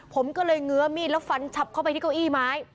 ผมก็เลยเงื้อมีดแล้วฟันฉับเข้าไปที่เก้าอี้ไม้